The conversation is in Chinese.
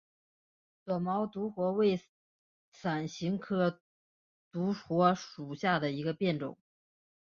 短毛独活为伞形科独活属下的一个变种。